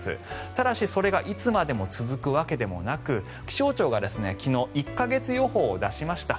ただしそれがいつまでも続くわけでもなく気象庁が昨日１か月予報を出しました。